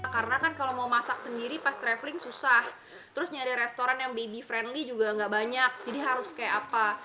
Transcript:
karena kan kalau mau masak sendiri pas traveling susah terus nyari restoran yang baby friendly juga gak banyak jadi harus kayak apa